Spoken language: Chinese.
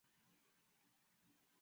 性别比是指族群中雄性的比率。